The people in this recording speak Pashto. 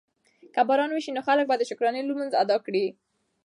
که باران وشي نو خلک به د شکرانې لمونځ ادا کړي.